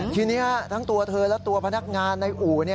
ทีนี้ทั้งตัวเธอและตัวพนักงานในอู่